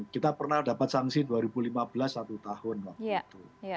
kita pernah dapat sanksi dua ribu lima belas satu tahun waktu itu